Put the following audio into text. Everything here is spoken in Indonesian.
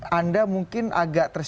sehingga anda mungkin agak terpaksa